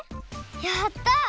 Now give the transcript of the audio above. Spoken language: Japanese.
やった！